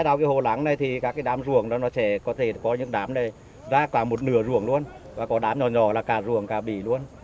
đào cái hồ lắng này thì các cái đám ruộng nó sẽ có thể có những đám này ra cả một nửa ruộng luôn và có đám nhỏ nhỏ là cả ruộng cả bỉ luôn